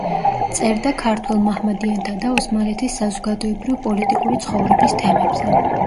წერდა ქართველ მაჰმადიანთა და ოსმალეთის საზოგადოებრივ-პოლიტიკური ცხოვრების თემებზე.